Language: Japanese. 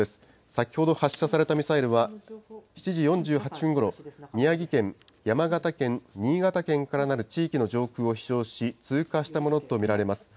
先ほど発射されたミサイルは、７時４８分ごろ、宮城県、山形県、新潟県からなる地域の上空を飛しょうし、通過したものと見られます。